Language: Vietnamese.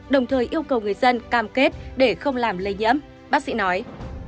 đồng thời yêu cầu người dân cam kết để không làm lây nhiễm bác sĩ nói